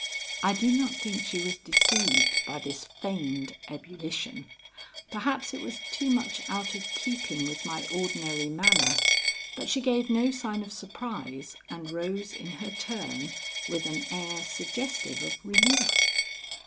I do not think she was deceived by this feigned ebullition. Perhaps it was too much out of keeping with my ordinary manner, but she gave no sign of surprise and rose in her turn with an air suggestive of relief.